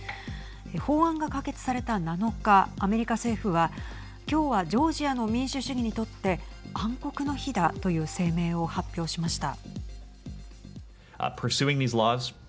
法案が可決された７日アメリカ政府は今日はジョージアの民主主義にとって暗黒の日だという声明を発表しました。